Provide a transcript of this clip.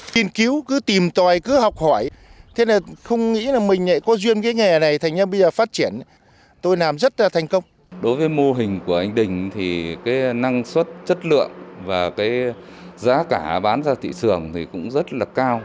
với mô hình của anh đình thì cái năng suất chất lượng và cái giá cả bán ra thị trường thì cũng rất là cao